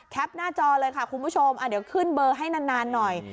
หน้าจอเลยค่ะคุณผู้ชมเดี๋ยวขึ้นเบอร์ให้นานหน่อย